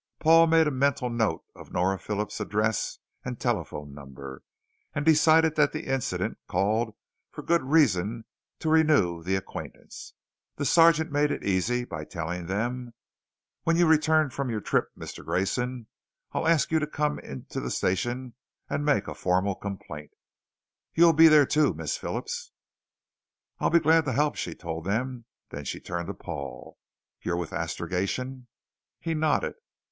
Paul made a mental note of Nora Phillips' address and telephone number and decided that the incident called for good reason to renew the acquaintance. The sergeant made it easy by telling them: "When you return from your trip, Mr. Grayson, I'll ask you to come in to the station and make a formal complaint. You'll be there too, Miss Phillips." "I'll be glad to help," she told them. Then she turned to Paul. "You're with Astrogation?" He nodded.